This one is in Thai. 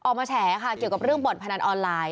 แฉค่ะเกี่ยวกับเรื่องบ่อนพนันออนไลน์